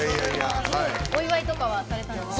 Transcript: お祝いとかはされたんですか？